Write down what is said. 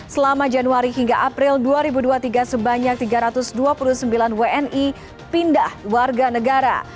selama januari hingga april dua ribu dua puluh tiga sebanyak tiga ratus dua puluh sembilan wni pindah warga negara